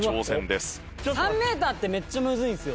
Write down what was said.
３メーターってめっちゃむずいんですよ。